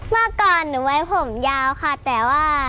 เมื่อก่อนหนูไว้ผมยาวค่ะแต่ว่า